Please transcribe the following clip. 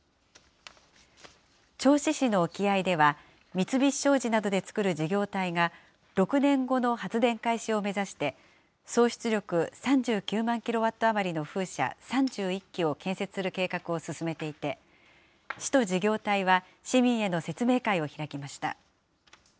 銚子市の沖合では、三菱商事などで作る事業体が、６年後の発電開始を目指して、総出力３９万キロワット余りの風車３１基を建設する計画を進めていて、市と事業体は、市民への説明会を開きました。